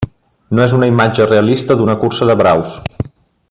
No és una imatge realista d'una cursa de braus.